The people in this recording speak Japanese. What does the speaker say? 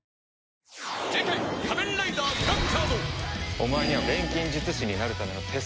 お前には錬金術師になるためのテストを受けてもらう。